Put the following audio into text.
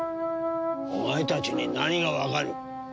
お前たちに何がわかる？